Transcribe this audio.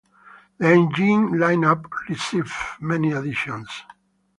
The engine lineup received many additions.